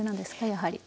やはり。